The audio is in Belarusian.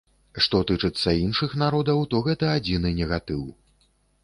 Што тычыцца іншых народаў, то гэта адзіны негатыў.